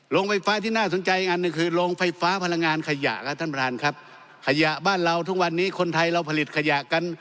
โรงไฟฟ้าที่น่าสนใจอันหนึ่งคือโรงไฟฟ้าพลังงานขยะครับท่านประธานครับขยะบ้านเราทุกวันนี้คนไทยเราผลิตขยะกัน